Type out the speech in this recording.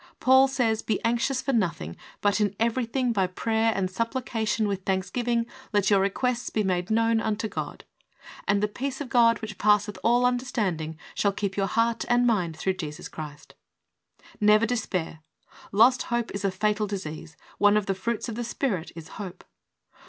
Paul says: "Be anxious for nothing, but in everything by prayer and supphcation, with thanksgiving, let your requests be made known unto God, and the peace of God which passeth all understanding shall keep your heart and mind through Christ Jesus." "Never despair. Lost hope is a fatal disease. One of the fruits of the Spirit is hope."